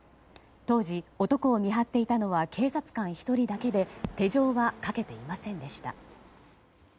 当時、男を見張っていたのは警察官１人だけで手錠はかけていませんでした。